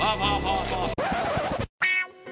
ฮู้ฮู้ฮู้